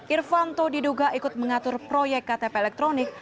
irfanto diduga ikut mengatur proyek ktp elektronik